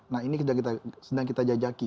nah ini sedang kita jajaki